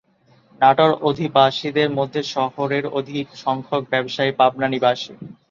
নাটোর অধিবাসীদের মধ্যে শহরের অধিক সংখ্যক ব্যবসায়ী পাবনা নিবাসী।